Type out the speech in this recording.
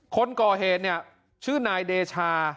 คนก่อเหตุเนี่ยชื่อนายเดชา